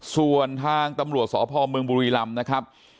ส่วนทางตำรวจสพเมืองบุรีรำนะครับ